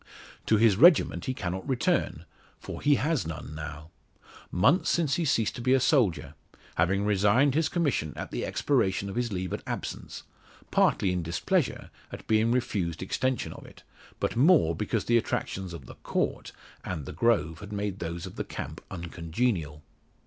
To his regiment he cannot return, for he has none now. Months since he ceased to be a soldier; having resigned his commission at the expiration of his leave of absence partly in displeasure at being refused extension of it, but more because the attractions of the "Court" and the grove had made those of the camp uncongenial.